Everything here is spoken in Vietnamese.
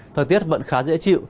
thời tiết vẫn khá dễ chịu